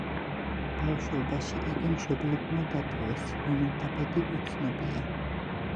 ბავშვობაში იგი მშობლებმა დატოვეს, რომელთა ბედი უცნობია.